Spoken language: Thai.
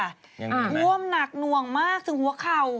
ยังรี่ร่อนี้นะบ้างง่วมหนักหน่วงมากถึงหัวเข่า